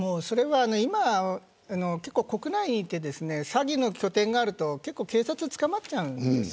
今は国内で詐欺の拠点があると警察に捕まっちゃうんです。